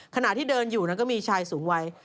ขณะที่เดินอยู่นั้นก็มีชายสูงวัย